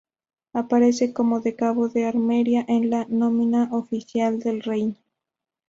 Aparece como de cabo de armería en la nómina oficial del Reino.